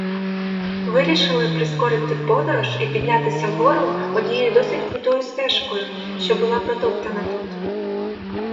Вирішили прискорити подорож і піднятися вгору однією досить крутою стежкою, що була протоптана тут.